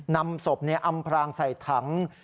นำศพอำพรางใส่ถัง